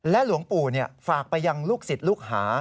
หลวงปู่ฝากไปยังลูกศิษย์ลูกหา